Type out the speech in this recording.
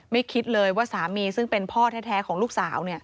คิดเลยว่าสามีซึ่งเป็นพ่อแท้ของลูกสาว